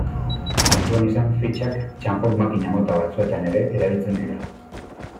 Kontuan izan fitxak txanpon-makina mota batzuetan ere erabiltzen direla.